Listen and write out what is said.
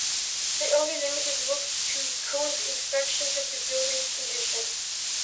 They only limited work to current inspections of the building's condition.